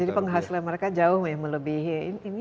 jadi penghasilan mereka jauh melebihi